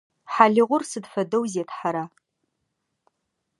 Хьалыгъур сыд фэдэу зетхьэра?